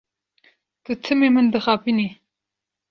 Tu timî min dixapînî.